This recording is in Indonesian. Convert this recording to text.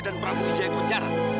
dan prabu hijai penjara